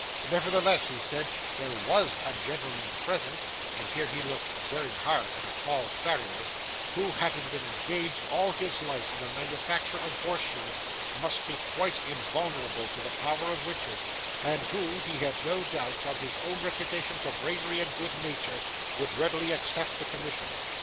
Nevertheless, he said, there was a gentleman present (and here he looked very hard at a tall farrier), who, having been engaged all his life in the manufacture of horseshoes, must be quite invulnerable to the power of witches, and who, he had no doubt, from his own reputation for bravery and good nature, would readily accept the commission.